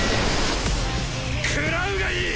食らうがいい！